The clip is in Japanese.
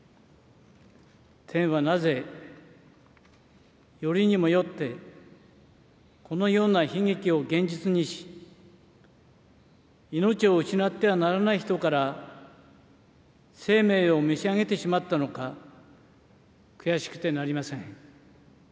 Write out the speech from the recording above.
天はなぜ、よりにもよってこのような悲劇を現実にし、命を失ってはならない人から、生命を召し上げてしまったのか、悔しくてなりません。